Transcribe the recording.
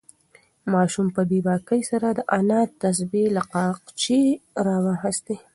ماشوم په بې باکۍ سره د انا تسبیح له تاقچې راوخیستې.